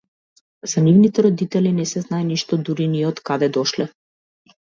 За нивните родители не се знае ништо, дури ни од каде дошле.